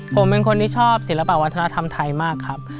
ผมเป็นคนที่ชอบศิลปะวัฒนธรรมไทยมากครับ